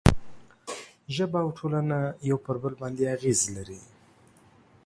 ژبه او ټولنه پر یو بل باندې اغېز لري.